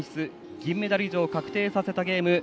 銀メダル以上を確定させたゲーム。